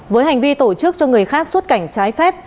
với hành vi tổ chức cho người khác suốt cảnh trạm